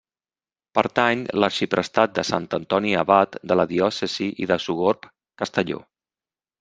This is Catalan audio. Pertany l'arxiprestat de Sant Antoni Abat de la Diòcesi de Sogorb-Castelló.